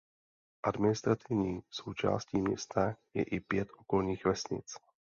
Administrativní součástí města je i pět okolních vesnic.